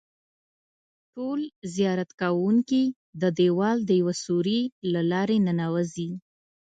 ټول زیارت کوونکي د دیوال د یوه سوري له لارې ننوځي.